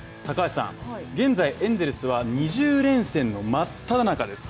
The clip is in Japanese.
現在、エンゼルスは２０連戦の真っただ中です。